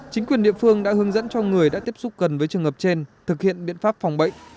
chính quyền địa phương đã hướng dẫn cho người đã tiếp xúc gần với trường hợp trên thực hiện biện pháp phòng bệnh